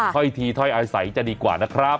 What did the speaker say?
ค่อยทีค่อยอายสัยก็ดีกว่านะครับ